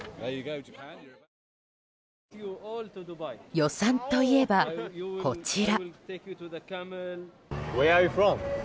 予算といえば、こちら。